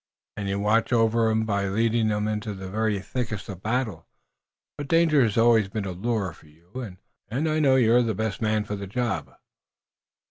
"And you watch over 'em by leading 'em into the very thickest of the battle. But danger has always been a lure for you, and I know you're the best man for the job."